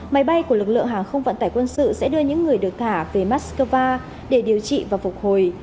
máy bay của lực lượng hàng không vận tải quân sự sẽ đưa những người được thả về moscow để điều trị và phục hồi